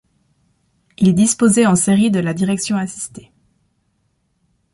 Il disposait en série de la direction assistée.